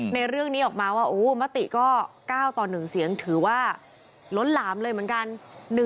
ในเรื่องนี้ออกมาว่ามติก็๙ต่อ๑เสียงถือว่าล้นหลามเลยเหมือนกัน